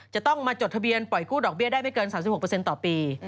จะต้องมาจดทะเบียนปล่อยกู้ดอกเบี้ยได้ไม่เกิน๓๖ต่อปี